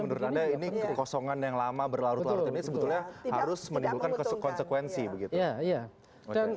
jadi menurut anda ini kekosongan yang lama berlarut larut ini sebetulnya harus menimbulkan konsekuensi begitu